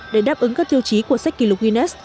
để đáp ứng các tiêu chí của sách kỷ lục guinness